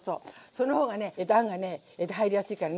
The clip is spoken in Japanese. そのほうがねあんがね入りやすいからね。